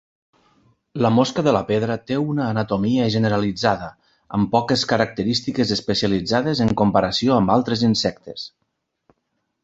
La mosca de la pedra té una anatomia generalitzada, amb poques característiques especialitzades en comparació amb altres insectes.